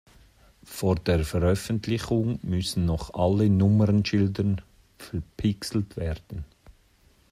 Vor der Veröffentlichung müssen noch alle Nummernschilder verpixelt werden.